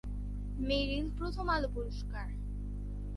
মেরিল-প্রথম আলো পুরস্কার